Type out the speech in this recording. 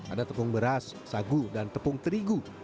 ada tepung beras sagu dan tepung terigu